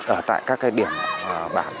ở tại các cái điểm bảng